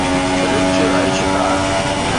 رڇ ۽ شڪار